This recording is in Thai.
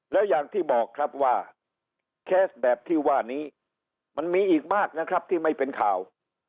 แล้วอย่างที่บอกครับว่าเคสแบบที่ว่านี้มันมีอีกมากนะครับที่ไม่เป็นข่าว